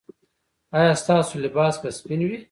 ایا ستاسو لباس به سپین وي؟